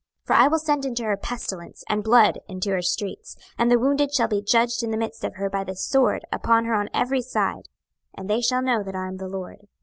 26:028:023 For I will send into her pestilence, and blood into her streets; and the wounded shall be judged in the midst of her by the sword upon her on every side; and they shall know that I am the LORD.